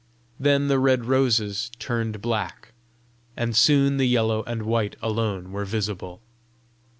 Then the red roses turned black, and soon the yellow and white alone were visible.